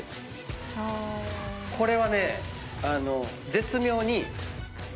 これはね絶妙に。